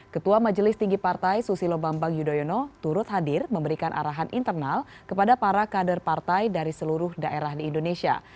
ketua majelis tinggi partai susilo bambang yudhoyono turut hadir memberikan arahan internal kepada para kader partai dari seluruh daerah di indonesia